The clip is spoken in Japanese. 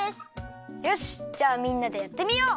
よしじゃあみんなでやってみよう！